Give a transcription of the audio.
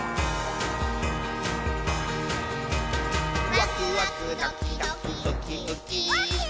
「ワクワクドキドキウキウキ」ウッキー。